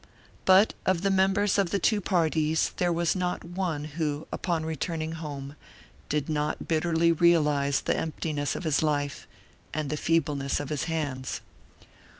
But of the members of the two parties there was not one who, upon returning home, did not bitterly realize the emptiness of his life and the feebleness of his hands.